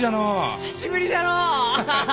久しぶりじゃのう！